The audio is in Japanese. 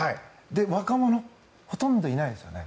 若者ほとんどいないですよね。